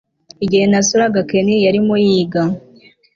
Igihe nasuraga Ken yarimo yiga